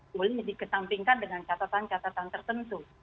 boleh dikesampingkan dengan catatan catatan tertentu